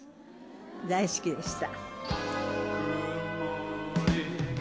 大好きでした。